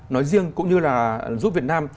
nói riêng cũng như là giúp việt nam